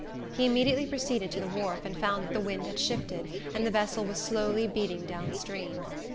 He immediately proceeded to the wharf, and found that the wind had shifted, and the vessel was slowly beating down stream.